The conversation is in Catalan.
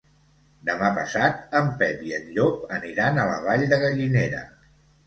Demà passat en Pep i en Llop aniran a la Vall de Gallinera.